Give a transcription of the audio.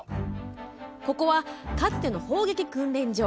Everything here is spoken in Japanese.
ここはかつての砲撃訓練場。